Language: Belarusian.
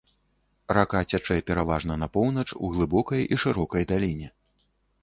Рака цячэ пераважна на поўнач у глыбокай і шырокай даліне.